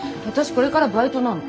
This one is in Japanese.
これからバイトなの。